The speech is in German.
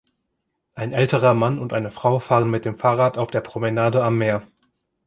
Ein älterer Mann und eine Frau fahren mit dem Fahrrad auf der Promenade am Meer.